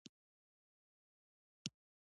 په دې پروژه کې نهه شپېته زده کوونکي ګډون لري.